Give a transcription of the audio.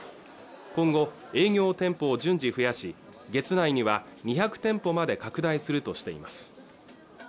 今後営業店舗を順次増やし月内には２００店舗まで拡大するとしています